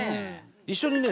一緒にね